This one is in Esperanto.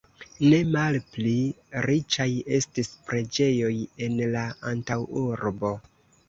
Ne malpli riĉaj estis preĝejoj en la antaŭurbo.